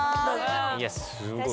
いやすごい。